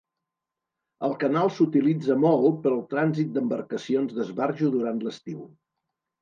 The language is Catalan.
El canal s'utilitza molt pel trànsit d'embarcacions d'esbarjo durant l'estiu.